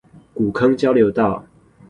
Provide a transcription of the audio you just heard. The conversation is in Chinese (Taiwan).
古坑交流道